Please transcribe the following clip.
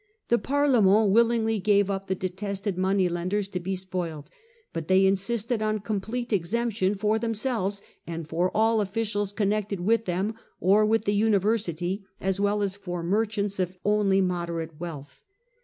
The Parlement willingly gave up the detested money lenders to be spoiled. But they insisted on complete exemption for themselves and for all officials connected with them or with the university, as well as for merchants of only moderate wealth.